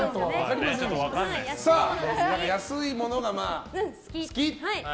さあ、安いものが好き。